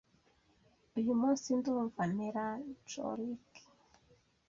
Uyu munsi ndumva melancholike.